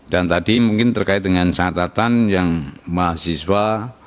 dan tadi mungkin terkait dengan catatan yang mahasiswa